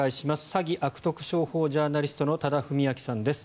詐欺・悪徳商法ジャーナリストの多田文明さんです。